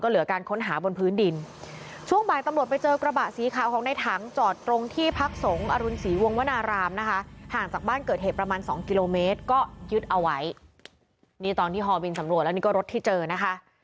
นี่ตอนที่ฮอบินสำรวจแล้วนี่ก็รถที่เจอนะคะ